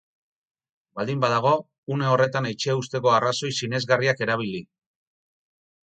Baldin badago, une horretan etxea uzteko arrazoi sinesgarriak erabili.